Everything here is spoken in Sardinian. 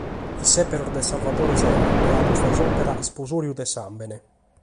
Sèberos de Sarvadore Serra leados dae s’òpera "Isposòriu de sàmbene".